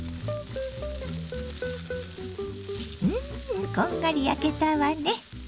うんこんがり焼けたわね。